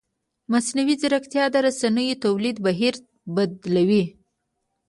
مصنوعي ځیرکتیا د رسنیز تولید بهیر بدلوي.